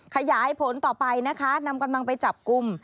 ขยายผลต่อไปนะคะนำกำลังไปจับกลุ่ม